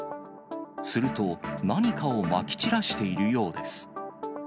すると、何かをまき散らしているようです。